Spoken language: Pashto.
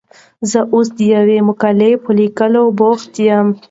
زه اوس د یوې مقالې په لیکلو بوخت یم.